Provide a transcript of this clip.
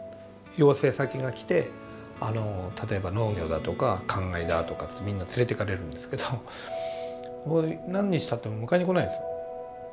要請先が来て例えば農業だとか干害だとかってみんな連れてかれるんですけど何日たっても迎えに来ないんですよ。